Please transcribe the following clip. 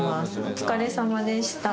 お疲れさまでした。